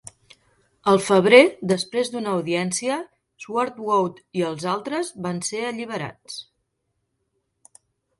Al febrer, després d'una audiència, Swartwout i els altres van ser alliberats.